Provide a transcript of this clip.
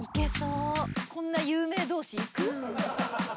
こんな有名同士いく？